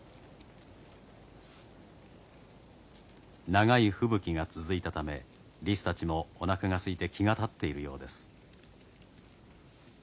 長い吹雪が続いたためリスたちもおなかがすいて気が立っているようです。